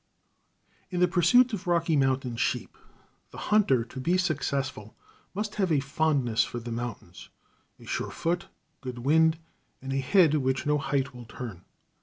In the pursuit of Rocky Mountain sheep, the hunter, to be successful, must have a fondness for the mountains, a sure foot, good wind, and a head which no height will turn.